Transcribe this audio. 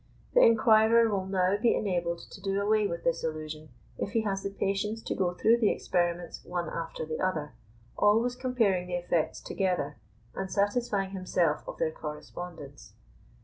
The inquirer will now be enabled to do away with this illusion if he has the patience to go through the experiments one after the other, always comparing the effects together, and satisfying himself of their correspondence.